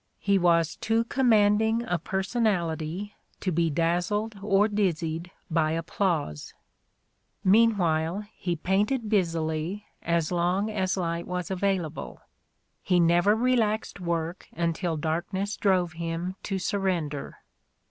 He was too commanding a person ality to be dazzled or dizzied by applause. Meanwhile, he painted busily as long as light was available : he never relaxed work until darkness drove him to surrender.